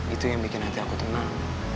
itu yang bikin hati aku tenang